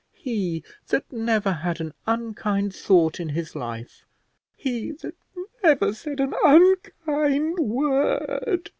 he that never had an unkind thought in his life, he that never said an unkind word!"